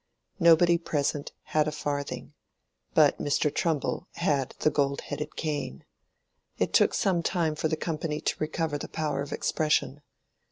Nobody present had a farthing; but Mr. Trumbull had the gold headed cane. It took some time for the company to recover the power of expression.